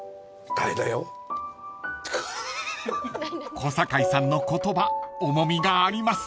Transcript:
［小堺さんの言葉重みがあります］